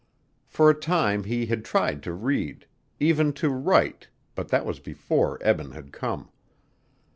For a time he had tried to read; even to write, but that was before Eben had come.